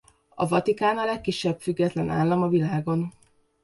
A Vatikán a legkisebb független állam a világon.